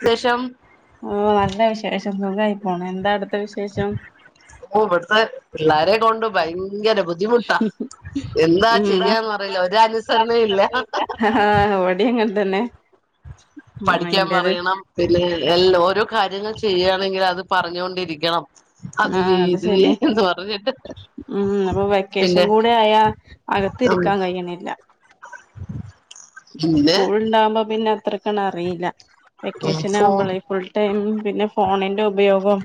ത്യാശ്യം ഓഹ് നല്ല വിശേഷം സുഖായി പോണ് എന്താഅട്ത്ത വിശേഷം ഓ ഇവിടുത്തെ പിള്ളാരെ കൊണ്ട് ഭയങ്കര ബുദ്ധിമുട്ടാ എന്താ ഉം ആ ചെയ്യാന്ന്അറിയില്ല ഒരഅന്സരണ ഇല്ല ഇവിടെ അങ്ങനെ തന്നെ ഉം പഠിക്കാൻ ഇന്റത് പറയണം പിന്നെ എൽ ഓരോ കാര്യങ്ങൾ ചെയ്യാണെങ്കില് അത് പറഞ്ഞുകൊണ്ടിരിക്കണം. അത് ആ വേ ഇത് വേ ശരി എന്ന് പറഞ്ഞിട്ട് ഉം അപ്പൊ വെക്കേഷൻ പിന്നെ കൂടെ ആയാ അകത്ത് ഉം ഇരിക്കാൻ കഴിയണില്ല. പിന്നെ സ്കൂള്ണ്ടാവുമ്പോ പിന്നെ അത്രക്കണ് അറീല്ല ഫോ വെക്കേഷനാവുമ്പോളേ ഫുൾ ടൈം പിന്നെ ഫോണിന്റെ ഉപയോഗം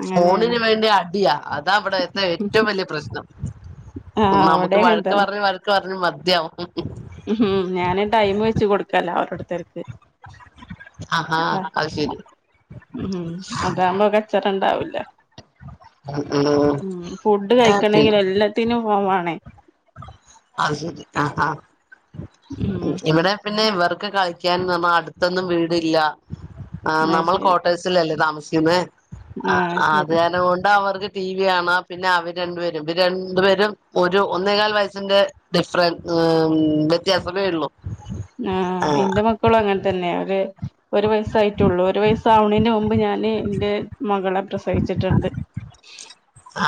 അങ്ങനെയാണ് ഫോണിന് വേണ്ടി അടിയാ അതാ ഇവിടെത്തെ ഏറ്റവും വലിയ പ്രശ്നം ആ നമുക്ക് അവിടെ അങ്ങനെ വഴക്ക് തന്നെ പറഞ് വഴക്ക് പറഞ്ഞ് മദ്യയാവും ഉം ഞാന് ടൈം വെച്ച് കൊടുക്കലാ ഓരോരുത്തർക്ക് ആഹാ അത് ശരി [unintelligible] ഉ അതാകുമ്പോ കച്ചറ ഉണ്ടാവൂല്ല [unintelligible] ഉം ഫുഡ് ഏ കഴിക്കണെങ്കി പിന്നെ എല്ലാത്തിനും ഫോൺ വാണേ അത് ശരി ആ ആ ഉം ഇവടെ പിന്നെ ഇവ കക്ക് കളിക്കാൻ നമ്മെ അടുത്തൊന്നും വീടില്ല ആ അത് നമ്മൾ ശരി കോട്ടേഴ്സ് ലല്ലേ താമസി [unintelligible] ആ ആഹ് അത് ശരി കാരണം കൊണ്ടാ അവർക്ക് ടി വി കാണാ പിന്നെ അവര് രണ്ടുപേരും ഇവര് രണ്ടുപേരും ഒരു ഒന്നേകാൽ വയസ്സിന്റെ ഡിഫറൻസ് ഏ വ്യത്യാസമേ ഉള്ളൂ ആ ഇന്റെ മക്കളും അങ്ങനെ തന്നെ അവര് ഒരു വയസായിട്ടുള്ളൂ ഒരു വയസാവണേന്റെ മുമ്പ് ഞാന് ഇന്റെ മകളെ പ്രസവിച്ചിട്ടുണ്ട് ആ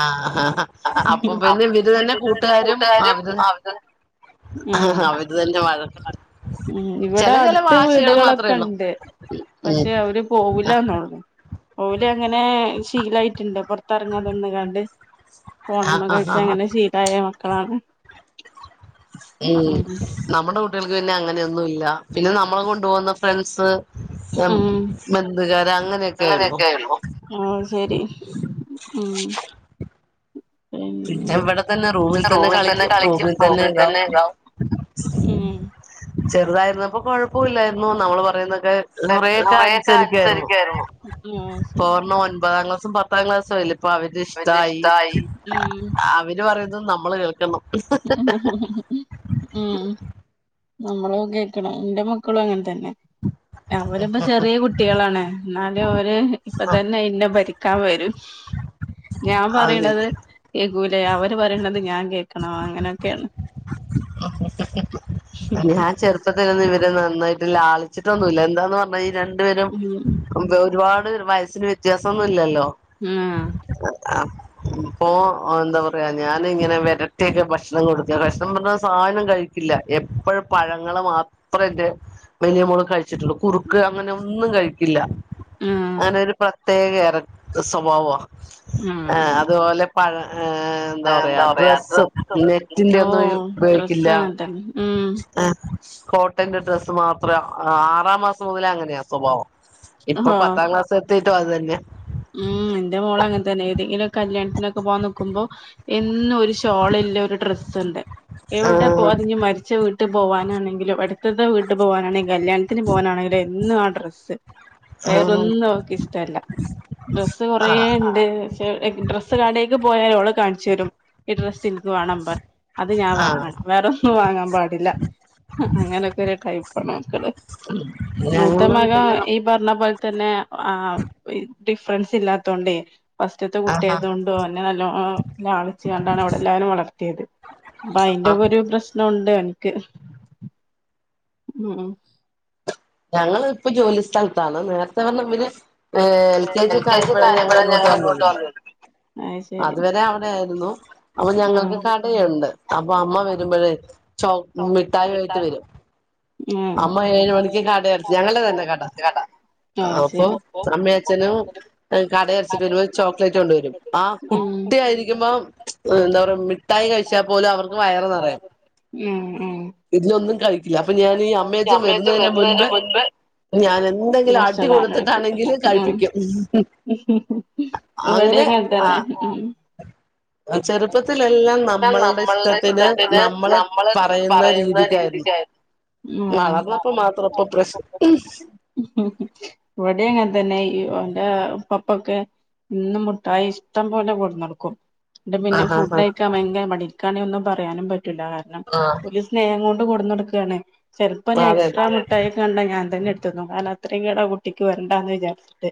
അപ്പൊ പിന്നെ ഇവര് തന്നെ കൂട്ടുകാരും അവര് ത ആ ആഹ് അവര് തന്നേ വഴക്ക് ഉം ഇവിടെ അടുത്ത ഉള്ളൂ വീടുകളൊക്കെണ്ട് ഉം പക്ഷെ അവര് ആ പോവൂല്ലാന്നൊള്ളു ഓല് അങ്ങനെ ശീലായിട്ടുണ്ട് പൊറത്തറങ്ങാതെ നിന്ന്കാണ്ട് ഫോണ്മ്മ ആ ആ കൾചങ്ങനെ ശീലായ മക്കളാണ് ഉം നമ്മുടെ കുട്ടികൾക്ക് പിന്നെ അങ്ങനെയൊന്നുല്ല പിന്നെ നമ്മളെ കൊണ്ടു പോകുന്ന ഫ്രണ്ട്സ് ഉം ബന്ധുക്കാര് അങ്ങനെയൊക്കെ ഉള്ളു അങ്ങനെക്കായിരുന്നു ഉം ശെരി ഉം പിന്നെ ഇവിടെ തന്നെ റൂമിൽ തന്നെ കളിക്കും റൂമിൽ തന്നെ ഇതാവും ഉം ചെറുതായിരുന്നപ്പൊ കൊഴപ്പുല്ലായിരുന്നു നമ്മൾ പറയുന്നെ ക്കെ കുറൊക്കെ കൊറെയൊക്കെ അനുസരിക്കായിരുന്നു ആഹ് ശരി ഇപ്പോരെണ്ണം ഒൻപതാം ക്ലാ സും പത്താം ക്ലാസ്സും ആയില്ലേ ഇപ്പ അവന് അവര്ടെഷ്ടായി ഇഷ്ടായി ഉം അവര് പറയുന്നത് നമ്മള് കേൾക്കണം ഉം നമ്മളത് കേക്കണം ഇന്റെ മക്കളും അങ്ങനെ തന്നെ അവരിപ്പോ ചെറിയ കുട്ടികളാണ് എന്നാലും അവര് ഇപ്പ തന്നെ ഇന്നെ ഭരി ക്കാവരും ഞാൻ അത് പറിണത് കേക്കൂലെ അവര് പറിണത് ഞാൻ കേ ക്കണോ അങ്ങനൊക്കാണ് ഞാൻ ചെറുപ്പത്തിലൊന്നും ഇവരെ നന്നായിട്ട് ലാളിച്ചിട്ടൊന്നുല്ല എന്താന്ന് പറഞ്ഞ ഈ ര ണ്ടുപേരും ഉം എന്ത് ഒരുപാട് വയസിന് വ്യത്യാസൊന്നുല്ലല്ലോ ആ ആ ഇപ്പോ എന്താപറയാ ഞാൻങ്ങനെ വരട്ടിയൊക്കെ ഭക്ഷണം കൊടുക്ക ഭക്ഷണം പറഞ്ഞാ ഒരു സാധനം കഴി ക്കില്ല എപ്പോഴും പഴങ്ങള് മാത്രേ ഇന്റെ വല്യ മോള് കഴിച്ചിട്ടുള്ളൂ കുറുക്ക് അങ്ങനെ ഒന്നും കഴിക്കില്ല ആഹ് അങ്ങനെ ഒരു പ്രത്യേകറെ സ്വഭാവ ആ അതുപോലെ പഴ ആ എന്താ പറയാ ഡ്രസ്സ് ഡ്രസ്സും നെറ്റിന്റെ ഓ ഒന്നും ഉപയോഗിക്കില്ല ഡ്രസ്സങ്ങ തന്നെ ഉം കോട്ടന്റെ ഡ്രസ്സ് മാത്രേ ആറാം മാസം മുതലേ അങ്ങനെയാ സ്വഭാവം ഇപ്പൊ ഹാ പത്താം ക്ലാസ് എത്തിട്ടും അത് തന്നെ ഉം ഇന്റെ മോളങ്ങനെതന്നെ ഏതെങ്കിലും കല്യാണത്തിനൊക്കെ പോവാൻ നിക്കുമ്പോ എ ന്നൊരു ഷാള്ല്ല ഒരു ഡ്രസ്സ്ണ്ട് എവിടെ പോ ആഹ് അത് ഞ്ഞി മര്ച്ച വീട്ട് ക്ക് പോകാനാണെങ്കിലും അടുത്ത്ത്തെ വീട്ടു പോകാനാണെങ്കും കല്യാണത്തിന് പോകാനാണെങ്കിലും എന്നും ആ ഡ്രസ്സ് ആഹ് വേറൊന്നും അവക്ക് ഇഷ്ടല്ല ഡ്രസ്സ് ആഹ് കൊറേണ്ട് ക്ഷെ ഡ്രസ്സ് കടേക്ക് പോയാ ഓള് കൺചേരും ഈ ഡ്രസ് ഇൻക്ക് വാണം പ അത് ഞാൻ ആഹ് വാങ്ങണം വേറെന്നും വാങ്ങാൻ പാടില്ല അങ്ങനെയൊക്കെ ഒരു ടൈപ്പാണ് മക്കല് മൂത്ത ഞങ്ങളുടെ മകൻ വീട്ടില് ഈ പറഞ്ഞ പോലെ തന്നെ ആ ഡിഫ്റെന്റ്സ് ഇല്ലാത്തോണ്ട് ഫസ്റ്റ്ത്തെ കുട്ടി ആഹാ ആയതോണ്ട് ഓനെ നല്ലോണം ലാളിച്ചാണ്ടാണ് അവിടെ എല്ലാരും വളർത്തിയത് പ്പം ആഹ് അയിന്റെക്കൊരു പ്രശ്നമുണ്ട് എനക്ക് ഉം ഉം ഞങ്ങള് ഇപ്പം ജോലി സ്ഥലത്താണ് നേർത്തേ വന്ന് ഇവര് ഏ എൽ കെ ജി യൊക്കെ ആയപ്പോഴാണ് ഞങ്ങള് ഇങ്ങോട്ട് വന്നത് അത് വരെ അവിടെ ആയിരുന്നു അപ്പോ ഞങ്ങക്ക് ഉം കടയുണ്ട് അപ്പൊ അമ്മ വരുമ്പോഴേ ചോപ്പ് മിഠായിയിട്ട് വരും അമ്മ ഏഴ് മണിക്ക് ഈ കടയടച്ച് ഉം ഞങ്ങള്ടെതന്നെ തന്നെ കട ആ ആഹ് അപ്പൊ ശരി അമ്മിം അച്ഛനും കടയടച്ചു വരുമ്പോൾ ചോക്ലേറ്റ് കൊണ്ട് വരും ആ കുട്ടി ആയിരിക്കുമ്പോ ഉം എന്താ പറയാ മിട്ടായി കഴിച്ചാ പോലും അവർക്ക് വയറ് നിറയും ഉം ഉം ഇതിലൊന്നും കഴി അപ്പൊ ഞാന് ഈ അമ്മയചാനും വരുന്ന തിന് മുൻപ് ഞൻ എന്തെങ്കിലും അടി ഭക്ഷണം കൊടുത്തിട്ടാണെങ്കിലും കഴിപ്പിക്കും ഇവിടിം അങ്ങനെ ആ ഇങ്ങനെത്തന്നെ ചെറുപ്പത്തിലെല്ലാം നമ്മളുടെ ഇഷ്ടത്തിന് നമ്മള് പറയുന്ന രീതിക്കായിരുന്നു ഉം വളർന്നപ്പോ മാത്രം ഇപ്പൊ പ്രശ്ന ഇവടിം അങ്ങനെ അങ്ങനെ തന്നെ ഇവന്റെ പപ്പക്ക് എന്നും മുഠായി ഇഷ്ടം പോലെ കോടന്നൊടുക്കും ഇവിടെ പിന്നെ ആഹ് ഫുഡ് ആഹ് ആഹ് കഴിക്കാൻ ഭയങ്കര മടി ഇന്ക് ആണെങ്കിൽ ഒന്നും പറയാനും പറ്റൂല്ല കാരണം ആഹ് ഒരു സ്നേഹം കൊണ്ട് ക്കയാണ് ചെലപ്പോ അതെ അതെ എക്സ്ട്രാ മിട്ടായി കണ്ട ഞാൻ തന്നെ എടുക്കും തിന്നും അയ്‌ന് അത്രയും കേട് കുട്ടിക്ക് വരണ്ടാന്ന് വിചാരിച്ചിട്ട്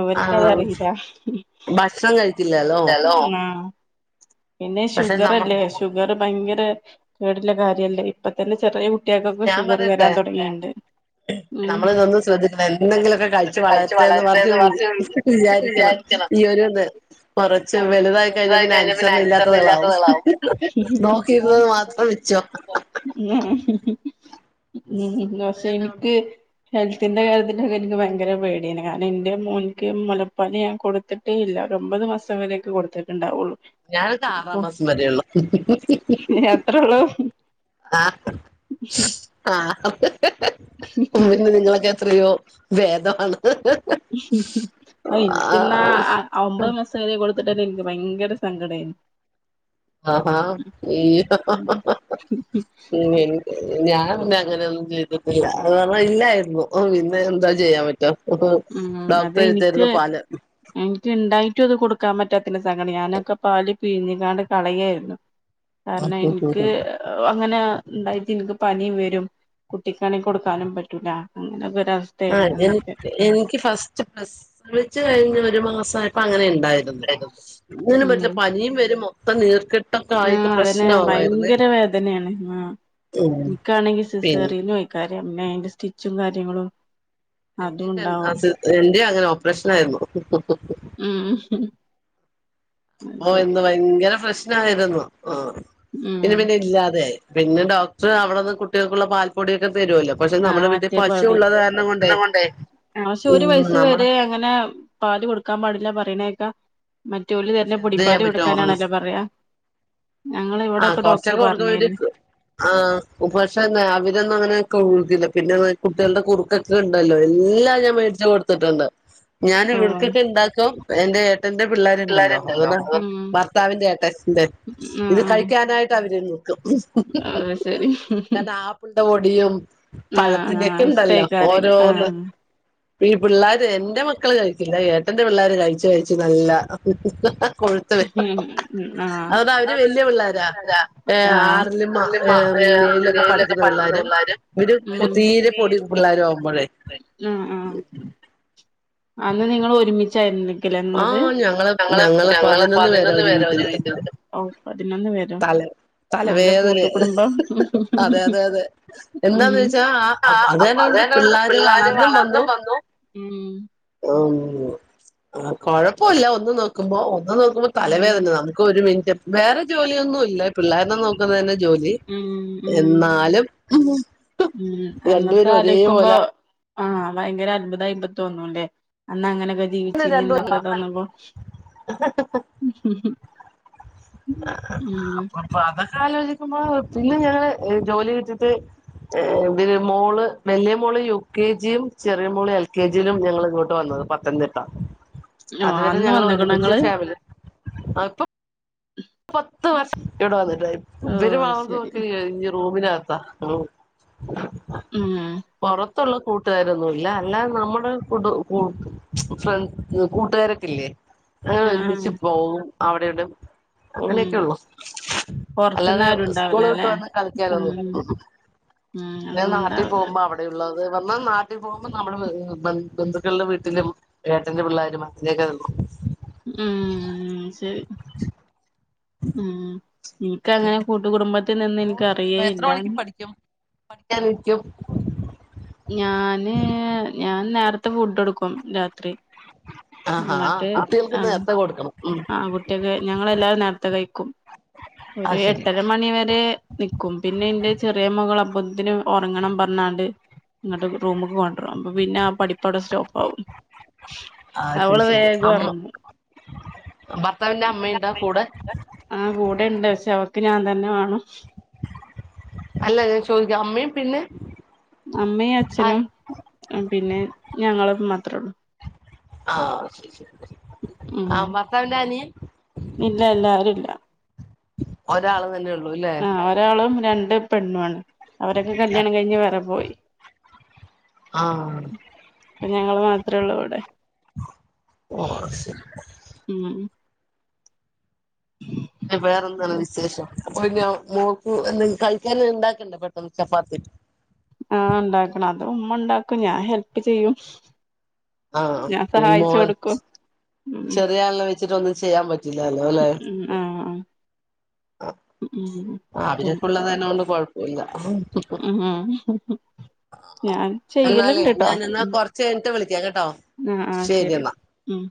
ഇവർക്ക് അത് ആഹ് അറിയല്ല ഭക്ഷണം കഴിക്കില്ലല്ലോ ആ [unintelligible] പിന്നെ പക്ഷെ ഷുഗർ നമ്മ അല്ലേ ഷുഗർ ഭയങ്കര പേടിയുള്ള കാര്യല്ലേ ഇപ്പൊ തന്നെ- ചെറിയ കുട്ടികക്കൊക്കെ ഷുഗർ വരാൻ തൊടങ്ങിയുണ്ട് ഞമ്മയ്ളിതൊന്ന് ശ്രദ്ധിക്കണം എന്തെങ്കിലുമൊക്കെ കഴിച്ച് എന്തെങ്കിലൊക്കെ വളരട്ടെ എന്ന് പറഞ് വളരട്ടെന്ന് പറഞ്ഞ് വിചാരിക്കണം ഈ ഒരുഇത് [unintelligible] കുറച്ച് വലുതായി കഴിഞ്ഞ പിന്നെ അനുസരണ ഇല്ലാത്താവും ഉം നോക്കിയിരുന്നത് മാത്രം- ജ ഹ്ഹ്ഹ് [unintelligible] മം [unintelligible] ഉം അത് പക്ഷെ കാരണം എനിക്ക് അവിടെ ഹെൽത്തിന്റെ കാര്യത്തിനൊക്കെ എനിക്ക് ഭയങ്കര പേടിയാണ് കാരണം എന്റെ മോനിക്ക് മൊലപ്പാല് ഞാൻ കൊടുത്തിട്ടേ ഇല്ല ഒരു ഒമ്പത് മാസം വരെക്കെ കൊടുത്തിട്ടുണ്ടാവൊള്ളൂ ഞാനൊക്കെ ആറാം മാസം വരെ ഒള്ളു അത്രേള്ളൂ ആഹ് ആഹ് [unintelligible] നിങ്ങളൊക്കെയാ എത്രയോ ഭേദമാണ് അ ആ എനിക്കിന്നാ ഒമ്പത് മാസം വരെ കൊടുത്തിട്ട് അതെനിക് ഭയങ്കര സങ്കടേനു ആഹ് ഹാ [unintelligible] ഞാൻ പിന്നെ അങ്ങനെയൊന്നും ചെയ്തിട്ടില്ല അന്നേരം ഇല്ലായിരുന്നു പിന്നെ എന്താ ചെയ്യാൻ പറ്റ ഉം അത് എനിക്ക് എനിക്ക് ഇണ്ടായിട്ടും അത് കൊടുക്കാൻ കൊടക്കാൻ പറ്റാത്തിന്റെ സങ്കടാ ഞാനൊക്കെ പാല് പിഴിഞ്ഞിക്കാണ്ട് കളയായിരുന്നു കാരണം എനിക്ക് അങ്ങനെ ഉണ്ടായിട്ട് എനിക്ക് പനി വരും കുട്ടിക്കാണെങ്കിൽ കൊടുക്കാനും പറ്റൂല്ല അങ്ങനെ ആ എനിക്ക് ഇന്ക് ഫസ്റ്റ് പ്രസവിച്ച് കഴിഞ്ഞ് ഒരു മാസം ആയപ്പോ അങ്ങനെ ണ്ടായിരുന്നു ഒന്നിനും പറ്റില്ല ഉം പനിയും വരും മൊത്തം നീർക്കെട്ട് ആഹ് അതന്നെ ഭയങ്കര വേദനയാണ് ആഹ് ഉം എനിക്കാണെങ്കിൽ പിന്നെ സിസ്സേറിയനുമായി കാര്യ. പിന്നെ അതിന്റെ സ്റ്റിച്ചും കാര്യങ്ങളും അതും എന്റേം രണ്ട് ആ ഉണ്ടാവും സിസ് എന്റെയും അങ്ങനെ ഓപ്പറേഷൻ ആയിരുന്നു ഹ് ഹ് ഹ് ഉം അത് ഓ ശരി ഇന്ന് ഭയങ്കര പ്രശ്നായിരുന്നു ആ പിന്നെ ഉം പിന്നെ ഇല്ലാതെ ആയി പിന്നെ ഡോക്ടർ അവിടുന്ന് കുട്ടികൾക്കുള്ള പാൽപ്പൊടിയൊക്കെ തെരുല്ലോ പക്ഷെ ആഹ് നമ്മുടെ വീട്ടിൽ മറ്റേ പൗടി പശുള്ളത് കാരണം കൊണ്ടേ ആഹ് പക്ഷെ ഒരു ഉം വയസ്സ് നമ്മടെ വരെ അങ്ങനെ പാല് കൊടുക്കാൻ പാടില്ല പറയണെ മറ്റോല് തരുന്ന പക്ഷെ എന്ത് പൊടിപ്പാല് ചെയ്യാൻ പറ്റും കൊടുക്കാനാണല്ലോ പറയാ ഞങ്ങള് ആഹ് ഇവിടൊക്കെ ഡോക്ടർ കൊറച്ചൊക്കെ പറഞ്ഞേര്ന്നു കൊടുക്കുമ്പര് ആ പക്ഷെ ന്നാ അവരൊന്നും അങ്ങനെ ക്കെതില്ലാ പിന്നെ കുട്ടികളുടെ കുറുക്കൊക്കെ ഉണ്ടല്ലോ എല്ലാം ഞാൻ മേടിച്ചു കൊടുത്തിട്ടുണ്ട് ഞാൻ ഓഹ് ഇവൾക്കൊക്കെ ഇണ്ടാക്കും എന്റെ ഏട്ടന്റെ പിള്ളേരുണ്ടല്ലോ അതു ഭർത്താവിന്റെ ഏട്ടൻ ന്റെ ആഹ് ഇത് ആഹ് കഴിക്കാനായിട്ട് അവരിന്നു അത് ശരി കാരണം ആപ്പിളിന്റെ പൊടിയും. ആഹ് പഴത്തിന്റെ ഒക്കെ ആഹ് ഉണ്ടല്ലോ ഇഷ്ടായിക്കാരം ഓരോന്ന് ആഹ് ഈ പിള്ളേര് എന്റെ മക്കള് കഴിക്ക്‌ ല്ല ഏട്ടന്റെ പിള്ളാര് കഴിച്ചു കഴിച്ചു നല്ല കൊഴുത്ത് വെ ഉം ആഹ് അതവ ര് വലിയ പിള്ളാര ഏ ആറിലും ആഹ് ഏഴിലൊക്കെ ഏഴിലൊക്കെ പഠിക്കുന്ന പിള്ളാരും പിള്ളാര് ഇവര് കൊ തീരെ പൊടി പിള്ളേരും ആവുമ്പോഴേ മ് മ്. അന്ന് നിങ്ങൾ ഒരുമിച്ചായിരുന്നെ. ക്കല്ല നിന്നത് ഞങ്ങള് ഞങ്ങള് പതിനൊന്നു പേരാ ഒരു വീട്ടില് നിന്നത് ഓ പതിനൊന്ന് പേരോ? തല നല്ല തലവേദന കൂട്ടു കുടുമ്പം അതെ അതെ അതെ എന്താന്ന് മ്മ്. വെച്ചാ ആ അതന്നെണ്ട് അതൊണ്ട് നമ്മടെ പിള്ളേര് പിള്ളാര് വളർന്നും വന്നു ഉം ഉം ആ കൊഴപ്പൊല്ല ഒന്ന് നോക്കുമ്പോ നോക്കുമ്പോ ഉം തലവേദന നമുക്ക് ഒരു മിനിറ്റ് വേറെ ജോലിയൊന്നും ഇല്ല പിള്ളേരെ നോക്കു തന്നെ ജോലി ഉം ഉം എന്നാലും ഉം അന്നത്തെ രണ്ടുപേരും ആലോയിക്കുമ്പോ ഒരേപോലെ ആഹ് ഭയങ്കര അത്ഭുതം ആയിപ്പ തോന്നുംല്ലേ അന്ന് അങ്ങനൊക്കെ ജീവിച്ചിരിന്നൊക്കെ രണ്ടുമല്ലോ തോന്നുമ്പോ മ്മ്ഹ് ഹ് അപ്പ ഇപ്പൊ അതെ ആലോചിക്കുമ്പോ പിന്നെ ഞങ്ങള് ജോലി കിട്ടിട്ട് ഇതി മോള് വലിയ മോള് യു കെ ജിയും ചെറിയ മോള് എൽ കെ ജിയിലും ഞങ്ങൾ ഇങ്ങോട്ട് വന്നു പത്തനംതിട്ട ആ അതുവരെ അന്ന് ഞങ്ങള് വന്ന്ക്ക്ണോ ഒരുമിച്ച് ഇങ്ങള് ഫാമിലി ആഇപ്പ പത്ത് വർഷം ഇവിടെ വന്നിട്ട് ഓ ഇവര് ശരി മാറുമ്പോക്കെ വിചാരിക്കും റൂമിനാത്ത ഉം പൊറത്ത് ടുത്തുള്ള കൂട്ടുകാരൊന്നുല്ല അല്ലാതെ നമ്മുടെ കുടു മ്ച്ച് ഫ്രണ്ട് കൂട്ടുകാരൊക്കെല്ലേ ആ ഒരുമിച്ച് പോകും അവിടെവിടേം ഉം അങ്ങനെയൊക്കെ ഉള്ളു പൊറത്ത്ന്ന് അല്ലാതെ ആരും സ്കൂള് വിട്ട് ഉണ്ടാവൂലല്ലേ വന്ന് ഉം കളിക്കാനൊന്നും ഉം പിന്നെ നാട്ടിൽ അന്നുണ്ടാവൂല പോകുമ്പോ അവിടെ ഉള്ളത് അ വന്നാ നാട്ടിൽ പോകുമ്പോൾ നമ്മള് ബന്ധുക്കളുടെ വീട്ടിലും ഏട്ടന്റെ പിള്ളേരും അങ്ങനൊക്കെ ഉള്ളു ഉം ശരി ഉം നിനക്ക് അങ്ങനെ കൂട്ടുകുടുംബ മോൾ എന്ത് ചെയ്യണ് എത്ര മണിക്ക് പഠിക്കും പഠിക്കാനിരിക്കും ഞാന് ഞാൻ നേരത്തെ ഫുഡ് കൊടുക്കും രാത്രി ആഹാ ആ അങ്ങട്ട് കുട്ടികൾക്ക് ആഹ് നേരത്തെ കൊടുക്കണം ഉം ആ കുട്ടിയക്കെ ഞങ്ങളെല്ലാവരും നേരത്തെ കഴിക്കും ആ ഒരു ശരി എട്ടര മണിവരെ നിക്കും പിന്നെ എന്റെ ചെറിയ മകൾ അബ ഇതിന് ഒറങ്ങണം പറഞ്ഞാണ്ട് ഇങ്ങട്ട് റൂമിക്ക്‌ പോണം അപ്പ പിന്നെ ആ പഠിപ്പടെ സ്റ്റോപ്പ്‌ ആവും ശരി അവള് ശരി വേഗം അമ്മ ഒറങ്ങും ആ [unintelligible] അമ്മയുണ്ടാ കൂടെ ആഹ് കൂടെ ഇണ്ട് ക്ഷേ അവക്ക് ഞാൻ തന്നെ വേണം അല്ല ഞാൻ ചോദിക്കാം അമ്മയും പിന്നെ അമ്മയും ആ അച്ഛനും പിന്നെ ഞങ്ങള മാത്രേ ഉള്ളൂ ആഹ ശരി ശരി ആ ഉം ഭർത്താവിന്റെ ആനിയൻ ഇല്ല എല്ലാരും ഇല്ല ഒരാള് തന്നെ ഉള്ളൂ ല്ലേ ആ ഒരാളും രണ്ട് പെണ്ണു ണ് അവരൊക്കെ കല്യാണം കഴിഞ്ഞ് വറെ പോയി ആഹ് അപ്പ ഞങ്ങള് മാത്രേ ഉള്ളൂ ഇവിടെ ഓ അ ശരി ഉം മോക്ക് എന്തെങ്ക കഴിക്കാന ഇണ്ടാക്കണ്ട പെട്ടെന്ന് ചപ്പാത്തി് ആ ഇണ്ടാക്കണം അത് ഉമ്മ ഇണ്ടാക്കും ഞാൻ ഹെല്പ്പ് ചെയ്യും ആ ഞാൻ ഇനി സഹായിച്ചു മോൻ കൊടുക്കും ഉം ചെറിയ ആളെ വെച്ചിട്ട ഒന്ന് ചെയ്യാൻ പറ്റു റ്റി ല്ലല്ലോല്ലേ ഉം ആഹ് ആ ഉം ആ ഉം അവരൊക്കെ ഉള്ളകാരണാണ്ട് കുഴപ്പില്ല ഉം ഞാൻ എന്നാലേ ചെയ്യലുണ്ട് ട്ടോ ഞാൻ എന്നാ ഉം കൊറച്ച് കഴിഞ്ഞിട്ട് വിളിക്കാം കേട്ടോ ആ ആ ശരി ഉം